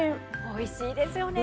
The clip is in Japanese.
おいしいですよね。